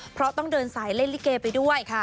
เพราะต้องเดินสายเล่นลิเกไปด้วย